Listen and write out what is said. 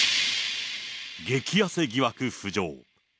激痩せ疑惑浮上。